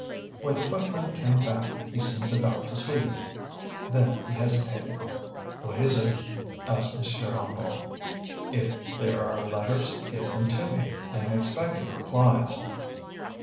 When the footman came back, he seemed about to speak, then he hesitated. "What is it?" asked M. Hennebeau. "If there are letters, give them to me. I am expecting replies."